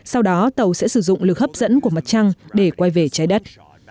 sau đó tàu sẽ sử dụng lực hấp dẫn của mặt trăng để quay về trái đất